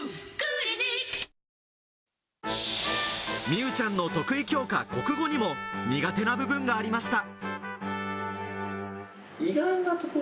美羽ちゃんの得意教科・国語にも苦手な部分がありました。